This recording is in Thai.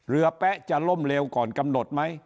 เหลือแป๊ะจะล้มแลวก่อนกำหนดไหม